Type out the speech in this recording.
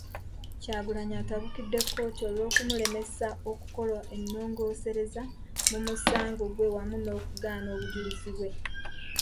Kyagulanyi atabukidde kkooti olw'okumulemesa okukola ennongoosereza mu musango gwe wamu n'okugaana obujulizi bwe.